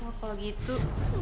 wah kalau gitu